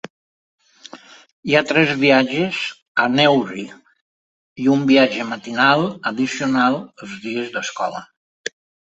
Hi ha tres viatges a Newry i un viatge matinal addicional els dies d'escola.